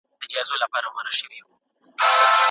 علمي سمينارونه بايد په منظمه توګه جوړ سي.